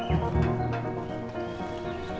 aku mau pergi ke rumah